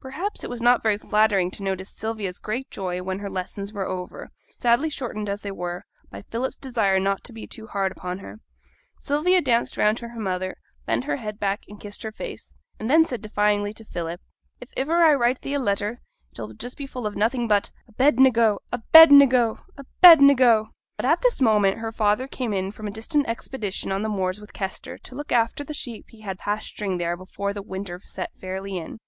Perhaps it was not very flattering to notice Sylvia's great joy when her lessons were over, sadly shortened as they were by Philip's desire not to be too hard upon her. Sylvia danced round to her mother, bent her head back, and kissed her face, and then said defyingly to Philip, 'If iver I write thee a letter it shall just be full of nothing but "Abednego! Abednego! Abednego!"' But at this moment her father came in from a distant expedition on the moors with Kester to look after the sheep he had pasturing there before the winter set fairly in.